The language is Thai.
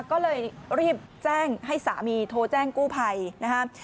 ก็เลยรีบแจ้งให้สามีโทรแจ้งกู้ภัยนะครับ